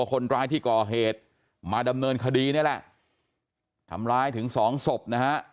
คนร้ายที่ก่อเหตุมาดำเนินคดีนี่แหละทำร้ายถึงสองศพนะฮะ